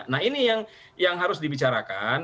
nah ini yang harus dibicarakan